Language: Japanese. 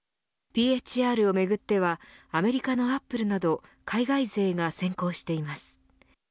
ＰＨＲをめぐってはアメリカのアップルなど海外勢が先行しています。